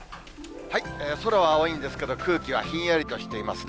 空は青いんですけれども、空気はひんやりとしていますね。